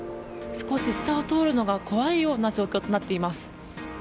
少し下を通るのが怖いような状態となっています。